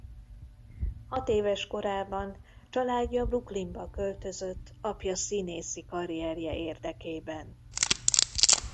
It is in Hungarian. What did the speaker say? Hatéves korában családja Brooklynba költözött apja színészi karrierje érdekében.